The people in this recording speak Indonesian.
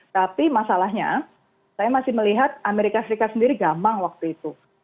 tapi masalahnya saya masih melihat amerika serikat sendiri gamang waktu itu